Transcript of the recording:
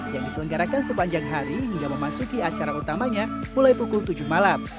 yang diselenggarakan sepanjang hari hingga memasuki acara utamanya mulai pukul tujuh malam